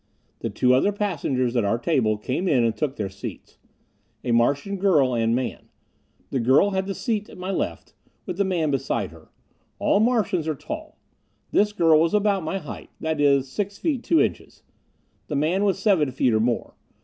The two other passengers at our table came in and took their seats. A Martian girl and man. The girl had the seat at my left, with the man beside her. All Martians are tall. This girl was about my own height that is, six feet, two inches. The man was seven feet or more.